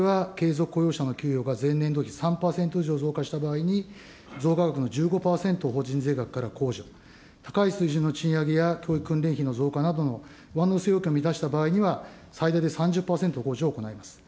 大企業向けは継続雇用者の給与が前年度比３％以上増加した場合に、増加額の１５％を法人税額から控除、高い水準の賃上げや教育訓練費の増加などの上乗せ要件を満たした場合には、最低で３０％の控除を行います。